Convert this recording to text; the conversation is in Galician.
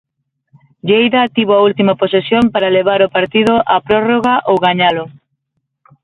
Lleida tivo a última posesión para levar o partido a prorroga ou gañalo.